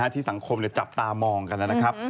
ที่สังคมจับตามองกันนะครับ